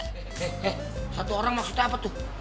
he he he satu orang maksudnya apa tuh